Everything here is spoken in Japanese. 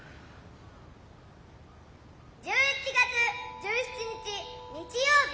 １１月１７日日曜日。